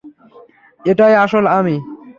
এটাই আসল আমি!